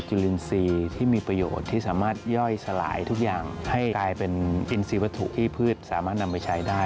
กลายเป็นอินซีวภัตถุที่พืชสามารถนำไปใช้ได้